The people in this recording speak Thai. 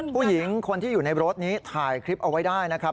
ผู้หญิงคนที่อยู่ในรถนี้ถ่ายคลิปเอาไว้ได้นะครับ